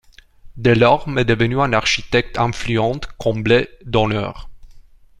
Delorme est devenu un architecte influent, comblé d'honneurs.